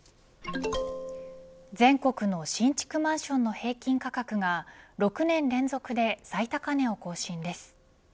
全国の新築マンションの平均価格が６年連続で最高値を更新です。